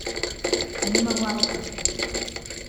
Anem a Gualta.